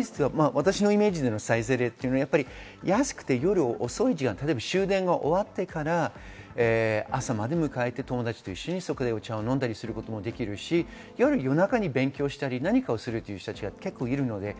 一方、私のイメージのサイゼリヤは安くて夜遅い時間、終電が終わってから朝まで迎えて友達と一緒にお茶を飲んだりすることもできるし、夜中に勉強したり何かをする人たちがいます。